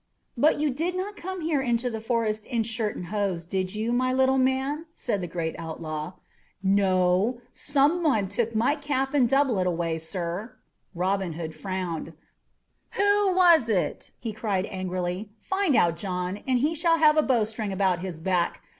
"But you did not come here into the forest in shirt and hose, did you, my little man?" said the great outlaw. "No; someone took my cap and doublet away, sir." Robin Hood frowned. "Who was it?" he cried angrily. "Find out, John, and he shall have a bowstring about his back.